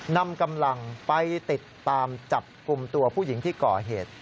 นำกำลังไปติดตามจับกลุ่มตัวผู้หญิงที่ก่อเหตุ